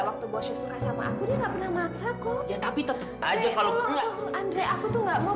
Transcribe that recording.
waktu bosnya suka sama aku dia nggak pernah maksa gue tapi tetap aja kalau enggak andre aku tuh nggak mau